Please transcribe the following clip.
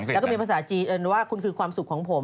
แล้วก็มีภาษาจีนเอิญว่าคุณคือความสุขของผม